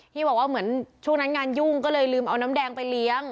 ที่บอกว่าเหมือนช่วงนั้นงานยุ่งก็เลยลืมเอาน้ำแดงไปเลี้ยง